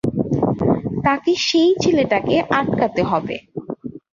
তাকে সেই ছেলেকে আটকাতে হবে।